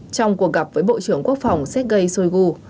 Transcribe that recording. trong cuộc gặp với bộ trưởng quốc phòng sergei shoigu